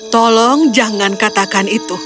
tolong jangan katakan itu